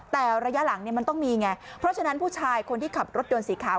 แต่ระยะหลังเนี่ยมันต้องมีไงเพราะฉะนั้นผู้ชายคนที่ขับรถยนต์สีขาว